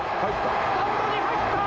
スタンドに入った！